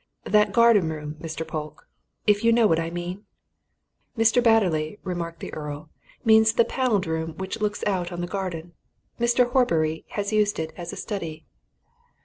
That garden room, Mr. Polke if you know what I mean?" "Mr. Batterley," remarked the Earl, "means the panelled room which looks out on the garden. Mr. Horbury has used it as a study."